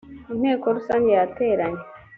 inteko rusange yateranye